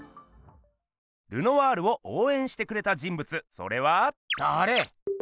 ルノワールをおうえんしてくれた人物それは。だれ？